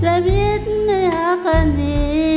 และวิทย์ในอากณี